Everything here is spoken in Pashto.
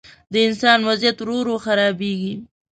د انسان وضعیت ورو، ورو خرابېږي.